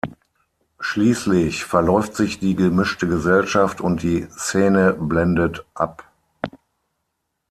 Schließlich verläuft sich die gemischte Gesellschaft und die Szene blendet ab.